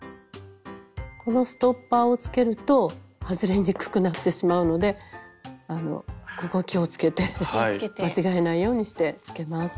このストッパーをつけると外れにくくなってしまうのでここ気をつけて間違えないようにしてつけます。